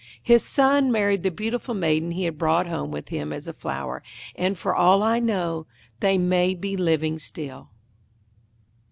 His son married the beautiful Maiden he had brought home with him as a Flower, and, for all I know, they may be living still.